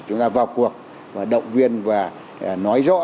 chúng ta vào cuộc và động viên và nói rõ